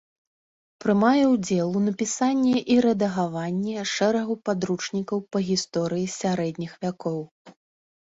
Прымае ўдзел у напісанні і рэдагаванні шэрагу падручнікаў па гісторыі сярэдніх вякоў.